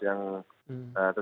yang tentu saja